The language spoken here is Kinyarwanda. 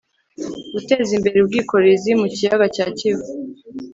guteza imbere ubwikorezi mu kiyaga cya kivu